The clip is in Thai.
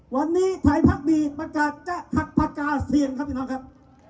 วันนี้ไทยพักดีประกาศจะหักปากกาเซียนครับพี่น้องครับ